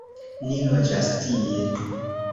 Ni loĝas tie.